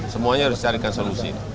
semuanya harus dicarikan solusi